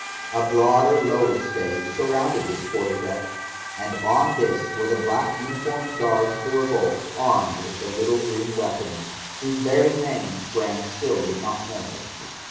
A broader lower stage surrounded this quarter deck, and on this were the black uniformed guards of the revolt armed with the little green weapons whose very names Graham still did not know.